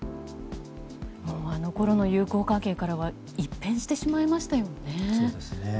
あのころの友好関係からは一変してしまいましたよね。